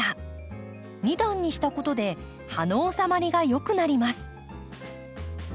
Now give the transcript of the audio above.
２段にしたことで葉の収まりが良くなります。